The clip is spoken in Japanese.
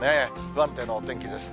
不安定なお天気です。